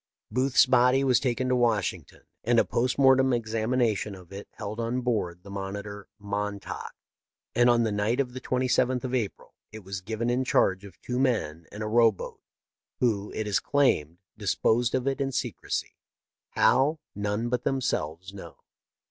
" Booth's body was taken to Washington, and a post mortem examination of it held on board the monitor " Montauk," and on the night of the 27th of April it was given in charge of two men in a row boat, who, it is claimed, disposed of it in secrecy — how, none but themselves know.